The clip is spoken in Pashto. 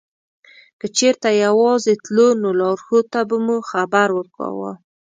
که چېرته یوازې تلو نو لارښود ته به مو خبر ورکاوه.